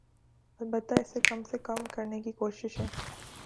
البتہ اسے کم سے کم کرنے کی کوششیں